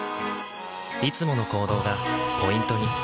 いつもの行動がポイントに。